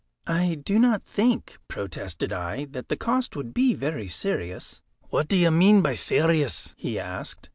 "I do not think," protested I, "that the cost would be very serious." "What do you mean by serious?" he asked.